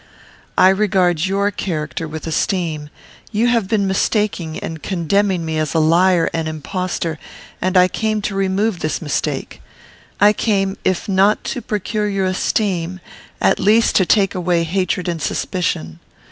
I regard your character with esteem. You have been mistaken in condemning me as a liar and impostor, and I came to remove this mistake. I came, if not to procure your esteem, at least to take away hatred and suspicion.